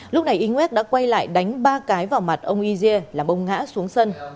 lúc này yngwek đã quay lại đánh ba cái vào mặt ông yge làm ông ngã xuống sân